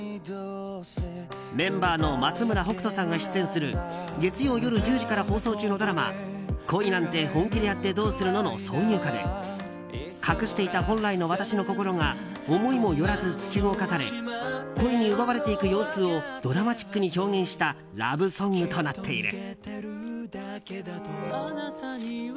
メンバーの松村北斗さんが出演する月曜夜１０時から放送中のドラマ「恋なんて、本気でやってどうするの？」の挿入歌で隠していた本来の「わたし」の心が思いもよらず突き動かされ恋に奪われていく様子をドラマチックに表現したラブソングとなっている。